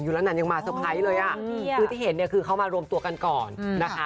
อยู่ร้านนั้นยังมาเซอร์ไพรส์เลยอะคือที่เห็นคือเขามารวมตัวกันก่อนนะคะ